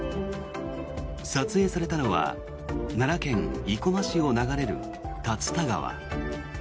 撮影されたのは奈良県生駒市を流れる竜田川。